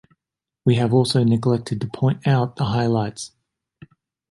We have also neglected to point out the highlights.